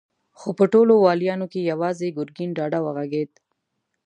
خو په ټولو واليانو کې يواځې ګرګين ډاډه وغږېد.